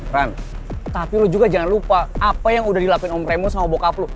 run tapi lu juga jangan lupa apa yang udah dilapin om premu sama bokap lo